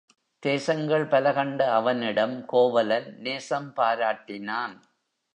தேசங்கள் பல கண்ட அவனிடம் கோவலன் நேசம் பாராட்டினான்.